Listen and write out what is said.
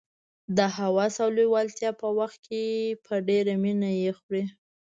د هوس او لېوالتیا په وخت کې په ډېره مینه یې خوري.